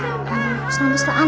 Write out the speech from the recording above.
genggul paralitik gini